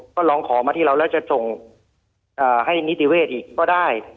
ก็ร้องขอมาที่เราแล้วจะส่งให้นิติเวศอีกก็ได้